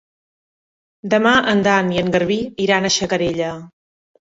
Demà en Dan i en Garbí iran a Xacarella.